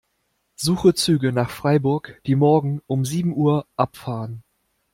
Suche Züge nach Freiburg, die morgen um sieben Uhr abfahren.